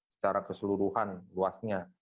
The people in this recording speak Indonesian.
secara keseluruhan luasnya